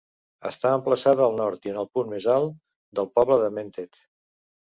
Està emplaçada al nord i en el punt més alt del poble de Mentet.